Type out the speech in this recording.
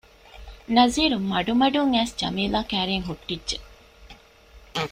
ނަޒީރު މަޑުމަޑުން އައިސް ޖަމީލާ ކައިރިއަށް ހުއްޓިއްޖެ